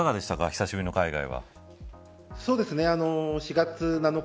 久しぶりの海外は。